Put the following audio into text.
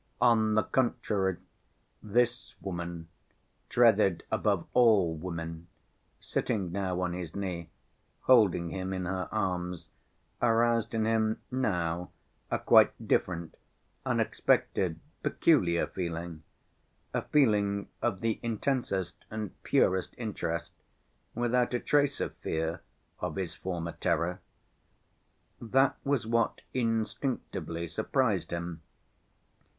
On the contrary, this woman, dreaded above all women, sitting now on his knee, holding him in her arms, aroused in him now a quite different, unexpected, peculiar feeling, a feeling of the intensest and purest interest without a trace of fear, of his former terror. That was what instinctively surprised him.